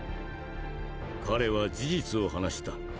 彼は事実を話した。